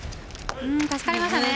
助かりましたね。